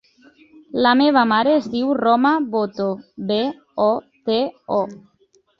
La meva mare es diu Roma Boto: be, o, te, o.